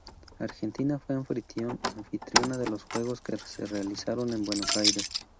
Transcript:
Argentina fue anfitriona de los Juegos que se realizaron en Buenos Aires.